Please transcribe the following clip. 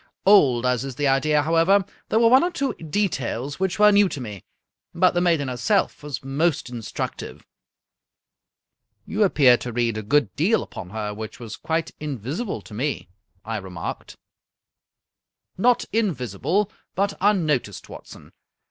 Old as is the idea, however, there were one or two details which were new to me. But the maiden herself was most instructive." " You appeared to read a good deal upon her which was quite invisible to me," I remarked. " Not invisible, but unnoticed, Watson.